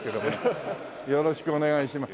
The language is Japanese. よろしくお願いします。